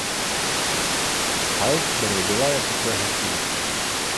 Halt bere Willa jako svého syna.